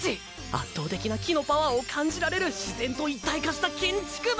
圧倒的な木のパワーを感じられる自然と一体化した建築物。